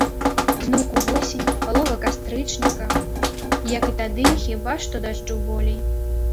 Зноўку восень, палова кастрычніка, як і тады, хіба што дажджу болей.